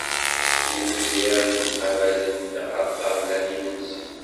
Yiwen n yiḍ mqabalen-d ɣer ṭṭabla n yimensi.